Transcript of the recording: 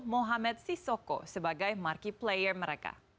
mohamed sisoko sebagai marki player mereka